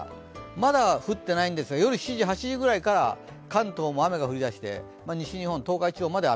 まだ降っていないんですが、夜７時８時ぐらいから関東も雨が降り出して西日本、東海地方まで雨。